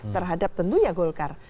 terhadap tentunya golkar